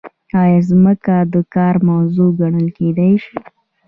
ایا ځمکه د کار موضوع ګڼل کیدای شي؟